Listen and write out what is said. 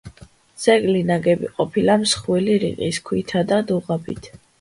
ძეგლი ნაგები ყოფილა მსხვილი რიყის ქვითა და დუღაბით.